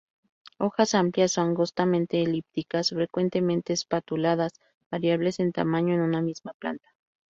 Hojas amplias o angostamente elípticas, frecuentemente espatuladas, variables en tamaño en una misma planta.